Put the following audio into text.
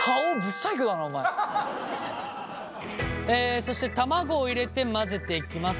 そして卵を入れて混ぜていきます。